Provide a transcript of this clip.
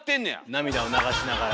涙を流しながら。